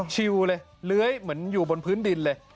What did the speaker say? ชิวเลยเลื้อยเหมือนอยู่บนพื้นดินเลย